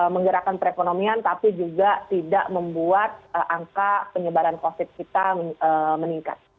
menggerakkan perekonomian tapi juga tidak membuat angka penyebaran covid kita meningkat